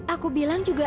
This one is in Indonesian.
aku bilang juga